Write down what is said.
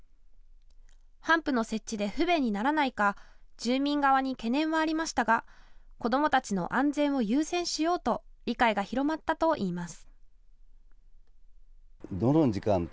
ハンプの設置で不便にならないか住民側に懸念はありましたが子どもたちの安全を優先しようと理解が広まったといいます。